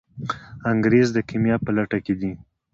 انګریز د کیمیا په لټه کې دی.